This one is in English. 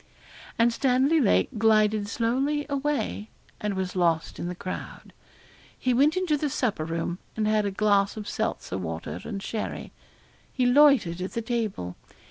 And Stanley Lake glided slowly away, and was lost in the crowd. He went into the supper room, and had a glass of seltzer water and sherry. He loitered at the table.